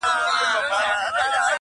چي كوڅې يې وې ښايستې په پېغلو حورو-